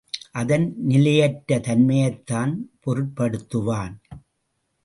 அதன் நிலையற்றத் தன்மையைத்தான் பொருட்படுத்துவான்!